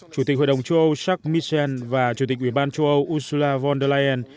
chủ tịch hội đồng châu âu jacques michel và chủ tịch ủy ban châu âu ursula von der leyen